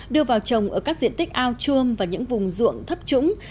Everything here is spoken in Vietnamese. đưa vào trồng ở các diện tích ao chuông và những vùng ruộng thấp trũng